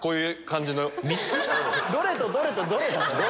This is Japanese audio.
どれとどれとどれなの？